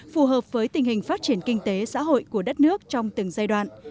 phù hợp với tình hình phát triển kinh tế xã hội của đất nước trong từng giai đoạn